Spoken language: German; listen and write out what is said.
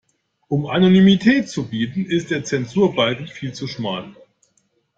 Um Anonymität zu bieten, ist der Zensurbalken viel zu schmal.